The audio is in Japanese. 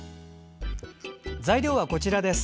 材料は、こちらです。